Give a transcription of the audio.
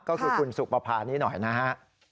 ก็คือคุณสุปภานี้หน่อยนะฮะ